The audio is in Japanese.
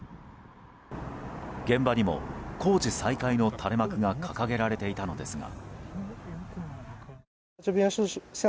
現場にも「工事再開」の垂れ幕が掲げられていたのですが。